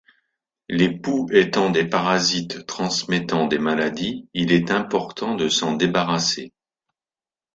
Les poux étant des parasites transmettant des maladies, il est important de s'en débarrasser.